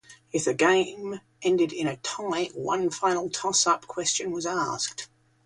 If the game ended in a tie, one final toss-up question was asked.